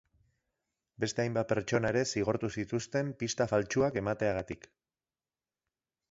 Beste hainbat pertsona ere zigortu zituzten pista faltsuak emateagatik.